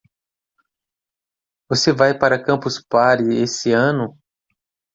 Você vai para a Campus Party esse ano?